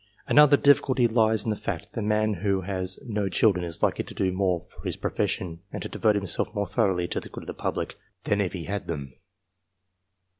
Another difficulty lies in the fact, that a man who has no children is likely to do more for his profession, and to devote himself more thoroughly to the good of the public, than if he had them.